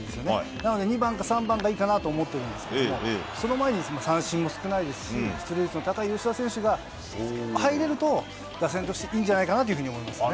なので、２番か３番がいいかなと思ってるんですけど、その前に三振も少ないですし、出塁率の高い吉田選手が入れると、打線としていいんじゃないかなというふうに思いますね。